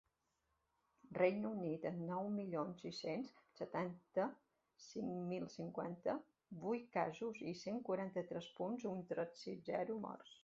Regne Unit, amb nou milions sis-cents setanta-cinc mil cinquanta-vuit casos i cent quaranta-tres punt un tres sis zero morts.